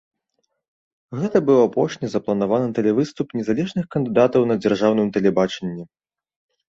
Гэта быў апошні запланаваны тэлевыступ незалежных кандыдатаў на дзяржаўным тэлебачанні.